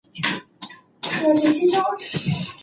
مرغۍ د واورې په موسم کې خوراک نه پیدا کوي.